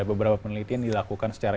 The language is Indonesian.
beberapa penelitian dilakukan secara